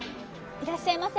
いらっしゃいませ。